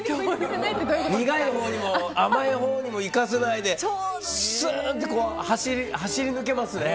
苦いほうにも甘いほうにもいかせないでスーッと走り抜けますね。